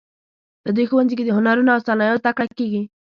په دې ښوونځي کې د هنرونو او صنایعو زده کړه کیږي